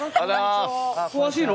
詳しいの？